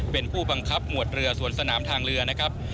เป็นผู้บังคับหมวดเรือสวนสนามทางเรือนะครับ